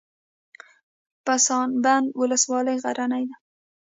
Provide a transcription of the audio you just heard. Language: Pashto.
پسابند ولسوالۍ غرنۍ ده؟